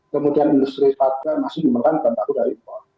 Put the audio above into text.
kemudian industri sepatu masih memberan bahan baku dari impor